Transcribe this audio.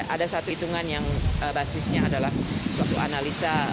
ada satu hitungan yang basisnya adalah suatu analisa